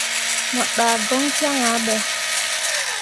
Mo ɗah goŋ kyaŋ ah ɓe.